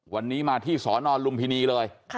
วันนี้มาที่สนลุมพินีเลย